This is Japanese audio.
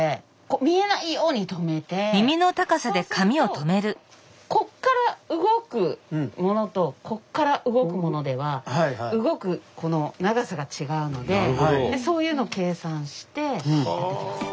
そうするとここから動くものとここから動くものでは動く長さが違うのでそういうのを計算してやっていきます。